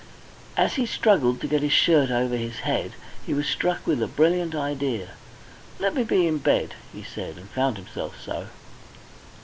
As he struggled to get his shirt over his head, he was struck with a brilliant idea. "Let me be in bed," he said, and found himself so.